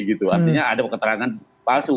artinya ada keterangan palsu